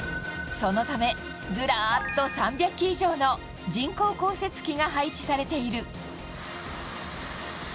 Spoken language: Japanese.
そのためずらっと３００基以上の人工降雪機が配置されている。